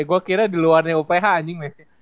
ya gua kira di luarnya uph anjing mes ya